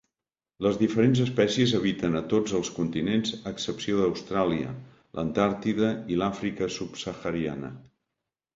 Les diferents espècies habiten a tots els continents a excepció d'Austràlia, l'Antàrtida i l'Àfrica subsahariana.